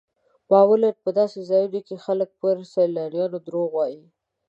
معمولا په داسې ځایونو کې خلک پر سیلانیانو دروغ وایي.